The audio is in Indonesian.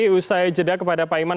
terima kasih usai jedah kepada pak iman